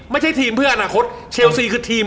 ไม่ใช่ทีมเพื่ออนาคตเชลซีคือทีม